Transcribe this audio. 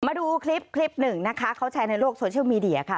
มาดูคลิปคลิปหนึ่งนะคะเขาแชร์ในโลกโซเชียลมีเดียค่ะ